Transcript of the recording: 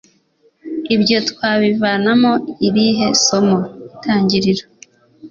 ibyo twabivanamo irihe somo itangiriro